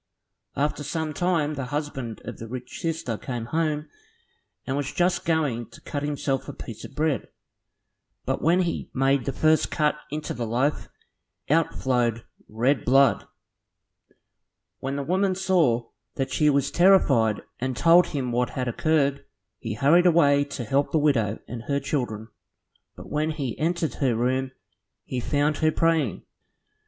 After some time the husband of the rich sister came home, and was just going to cut himself a piece of bread, but when he made the first cut into the loaf, out flowed red blood. When the woman saw that she was terrified and told him what had occurred. He hurried away to help the widow and her children, but when he entered her room, he found her praying.